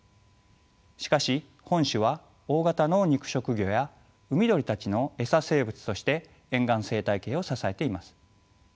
しかし本種は大型の肉食魚や海鳥たちの餌生物として沿岸生態系を支えています。